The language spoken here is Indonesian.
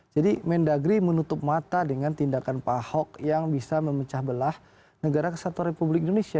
jadi mendagri menutup mata dengan tindakan pahok yang bisa memecah belah negara kesatuan republik indonesia